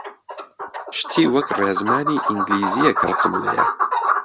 شتی وەک ڕێزمانی ئینگلیزییە کە ڕقم لێیە!